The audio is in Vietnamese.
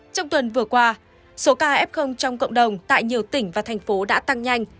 trong tuần vừa qua số ca f trong cộng đồng tại nhiều tỉnh và thành phố đã tăng nhanh